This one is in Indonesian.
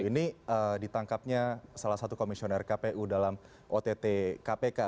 ini ditangkapnya salah satu komisioner kpu dalam ott kpk